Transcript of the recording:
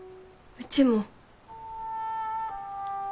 うちも。